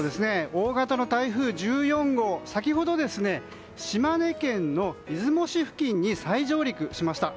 大型の台風１４号は先ほど、島根県の出雲市付近に再上陸しました。